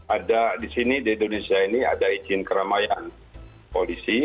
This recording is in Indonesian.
ada di sini di indonesia ini ada izin keramaian polisi